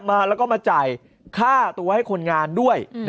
มาแล้วก็มาจ่ายค่าตัวให้คนงานด้วย